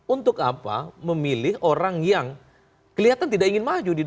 untuk apa memilih orang yang kelihatan tidak ingin maju di dua ribu